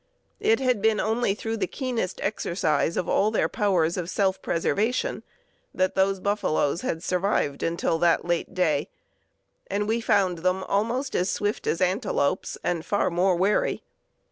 It had been only through the keenest exercise of all their powers of self preservation that those buffaloes had survived until that late day, and we found them almost as swift as antelopes and far more wary.